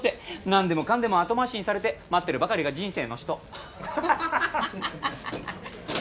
なんでもかんでも後回しにされて待ってるばかりが人生の人。